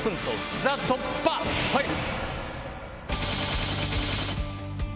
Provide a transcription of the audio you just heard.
ＴＨＥ突破ファイル！